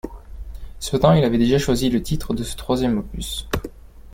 Cependant il avait déjà choisi le titre de ce troisième opus.